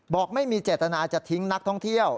บอกไม่มีเจตนาจะทิ้งนักท่องเที่ยว